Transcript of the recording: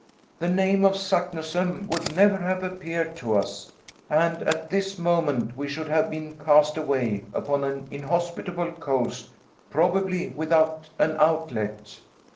The name of Saknussemm would never have appeared to us, and at this moment we should have been cast away upon an inhospitable coast, probably without an outlet."